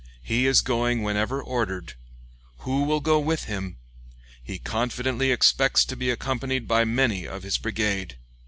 He is going whenever ordered. Who will go with him? He confidently expects to be accompanied by many of his brigade."